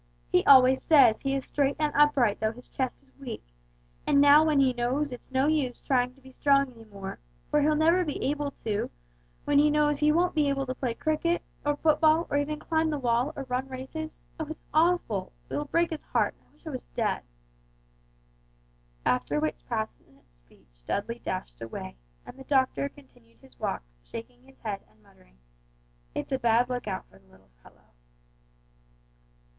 He always says he is straight and upright though his chest is weak, and now when he knows it's no use trying to be strong any more, for he'll never be able to when he knows he won't be able to play cricket, or football, or even climb the wall or run races oh, it's awful it will break his heart, and I wish I was dead!" After which passionate speech Dudley dashed away, and the doctor continued his walk shaking his head and muttering, "It's a bad lookout for the little fellow!"